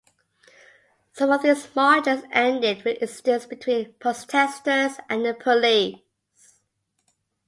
Some of these marches ended with incidents between protesters and the police.